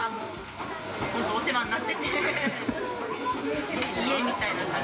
本当にお世話になってて家みたいな感じ。